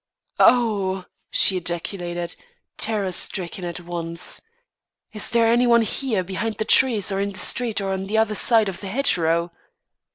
"Oh!" she ejaculated, terror stricken at once. "Is there any one here, behind these trees or in the street on the other side of the hedge row?"